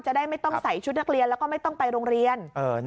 จะได้ไม่ต้องใส่ชุดนักเรียนแล้วก็ไม่ต้องไปโรงเรียน